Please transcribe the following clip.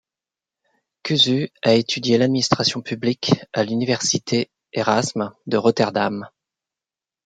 Kuzu a étudié l'administration publique à l'Université Érasme de Rotterdam.